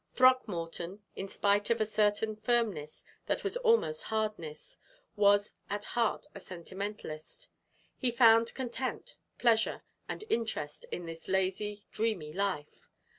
Throckmorton, in spite of a certain firmness that was almost hardness, was at heart a sentimentalist. He found content, pleasure, and interest in this lazy, dreamy life.